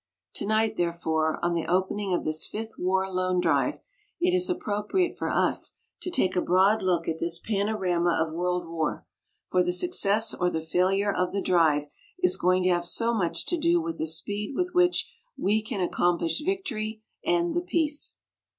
Tonight, therefore, on the opening of this Fifth War Loan Drive, it is appropriate for us to take a broad look at this panorama of world war, for the success or the failure of the drive is going to have so much to do with the speed with which we can accomplish victory and the peace.